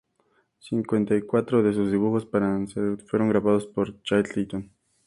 Cincuenta y cuatro de sus dibujos para Anacreonte fueron grabados por M. Châtillon.